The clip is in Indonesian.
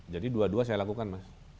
jadi dua dua saya lakukan mas